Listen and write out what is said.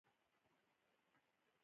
بېرته هند ته ځم !